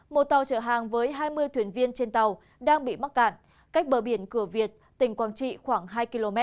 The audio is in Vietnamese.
một tàu chở hàng với hai mươi thuyền viên trên tàu đang bị mắc cạn cách bờ biển cửa việt tỉnh quảng trị khoảng hai km